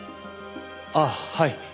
あっはい。